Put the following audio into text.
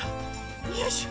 よいしょ。